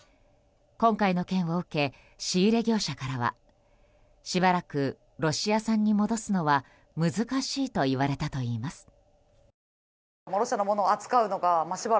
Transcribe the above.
今回の件を受け仕入れ業者からはしばらくロシア産に戻すのは難しいと言われたといいます。